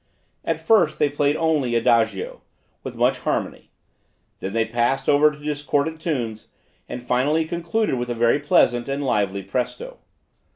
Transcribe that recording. At first they played only Adagio, with much harmony; then they passed over to discordant tunes; and finally concluded with a very pleasant and lively Presto.